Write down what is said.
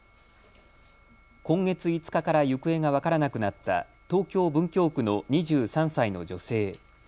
今月５日から行方が分からなくなった東京文京区の２３歳の女性。